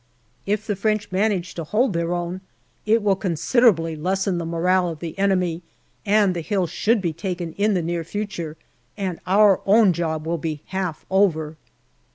If the French manage to hold their own, it will con siderably lessen the moral of the enemy, and the hill should be taken in the near future, and our own job will be half over.